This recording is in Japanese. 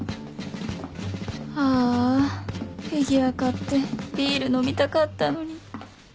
ああフィギュア買ってビール飲みたかったのに